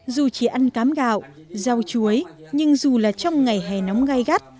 dù chỉ ăn cám gạo rau chuối nhưng dù là trong ngày hè nóng gai gắt